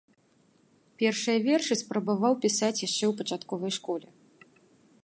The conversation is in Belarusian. Першыя вершы спрабаваў пісаць яшчэ ў пачатковай школе.